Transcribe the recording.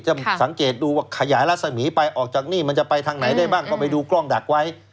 สังเกตดูว่าขยายรัศมีร์ไปออกจากนี่มันจะไปทางไหนได้บ้างก็ไปดูกล้องดักไว้